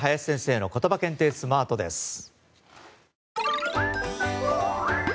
では続いて、林先生のことば検定スマートです。